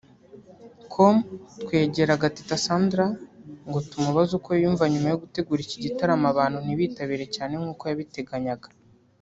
com twegeraga Teta Sandra ngo tumubaze uko yiyumva nyuma yo gutegura iki gitaramo abantu ntibitabire cyane nkuko yabiteganyaga